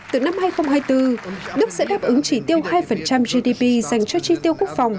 từ năm hai nghìn hai mươi bốn đức sẽ đáp ứng chỉ tiêu hai gdp dành cho chi tiêu quốc phòng